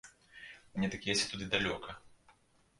Мне дык ездзіць туды далёка.